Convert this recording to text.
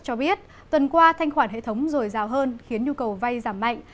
cho biết tuần qua thanh khoản hệ thống dồi dào hơn khiến nhu cầu vay giảm mạnh